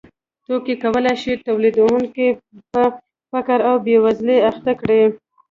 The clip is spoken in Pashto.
توکي کولای شي تولیدونکی په فقر او بېوزلۍ اخته کړي